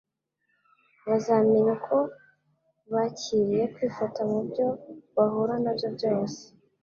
bazamenya uko bakiriye kwifata mu byo bahura na byo byose.